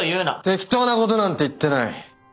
適当なことなんて言ってない！